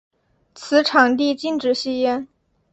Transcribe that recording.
此场地禁止吸烟。